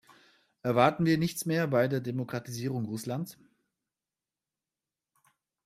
Erwarten wir nichts mehr bei der Demokratisierung Russlands?